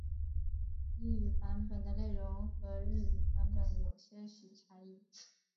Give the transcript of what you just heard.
英语版本的内容和日语版本有些许差异。